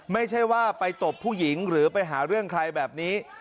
ไม่ใช่ว่าไปตบผู้หญิงหรือไปหาเรื่องใครแบบนี้